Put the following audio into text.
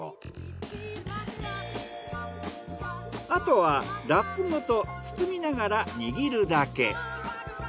あとはラップごと包みながら握るだけ。